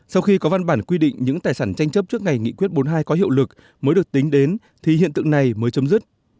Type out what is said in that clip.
sau khi có văn bản quy định những tài sản tranh chấp trước ngày nghị quyết bốn mươi hai có hiệu lực mới được tính đến thì hiện tượng này mới chấm dứt